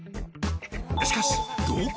しかし。